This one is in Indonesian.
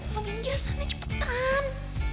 lagi jalan sana cepetan